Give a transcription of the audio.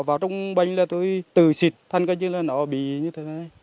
vào trong bánh là tôi tự xịt thân gọi như là nó bị như thế này